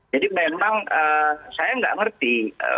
jadi memang saya nggak ngerti